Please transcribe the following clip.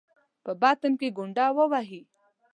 باطن کې ګونډه ووهي.